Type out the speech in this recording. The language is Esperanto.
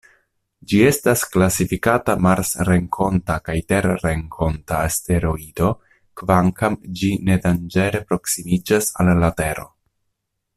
Ĝi estas klasifikata marsrenkonta kaj terrenkonta asteroido kvankam ĝi ne danĝere proksimiĝas al Tero.